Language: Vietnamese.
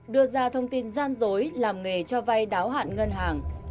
đưa ra thông tin gian dối làm nghề cho vay đáo hạn ngân hàng